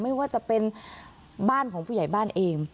ไม่ว่าจะเป็นบ้านของผู้ใหญ่บ้านเอง